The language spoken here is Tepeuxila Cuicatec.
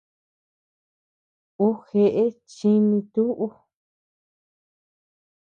Uu jeʼe chiní tuʼu.